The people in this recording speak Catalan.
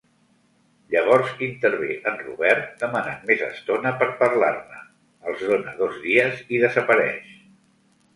Llavors intervé en Robert demanant més estona per parlar-ne, els dóna dos dies i desapareix.